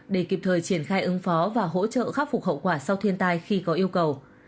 để kịp thời triển khai ứng phó và hỗ trợ khắc phục hậu quả sau thiên tai khi có yêu cầu